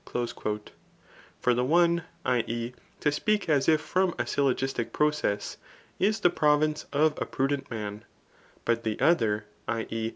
"* For the cme [L e« to speak as if from a syllogistic process^ is the pro^nce of a prudent man ; but the other, [i. e.